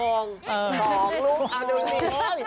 สองลูกอดุลิน